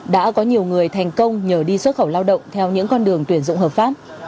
đã có nhiều người thành công nhờ đi xuất khẩu lao động theo những con đường tuyển dụng hợp pháp